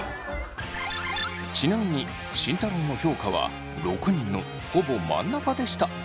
ちなみに慎太郎の評価は６人のほぼ真ん中でした。